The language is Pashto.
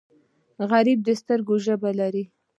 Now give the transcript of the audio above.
غریب د سترګو ژبه لري